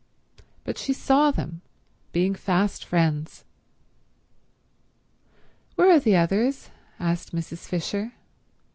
.. but she saw them being fast friends. "Where are the others?" asked Mrs. Fisher.